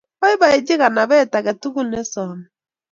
Boiboji kanabet age tugul ne some